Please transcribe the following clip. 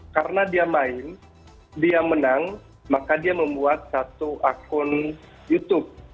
karena dia main dia menang maka dia membuat satu akun youtube